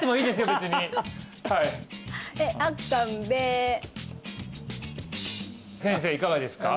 別にあっかんべー先生いかがですか？